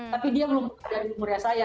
tapi dia belum ada di umurnya saya